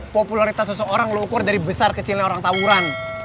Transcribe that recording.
popularitas seseorang lu ukur dari besar kecilnya orang tawuran